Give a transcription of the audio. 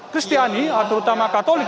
kristiani terutama katolik